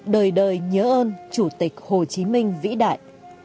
đời đời nhớ ơn chủ tịch hồ chí minh vĩ đại